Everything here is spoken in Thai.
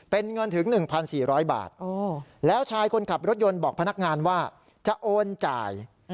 เป็นเงินถึง๑๔๐๐บาทแล้วชายคนขับรถยนต์บอกพนักงานว่าจะโอนจ่าย